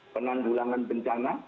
pernah bulangan bencana